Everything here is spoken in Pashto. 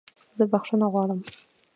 زه بخښنه غواړم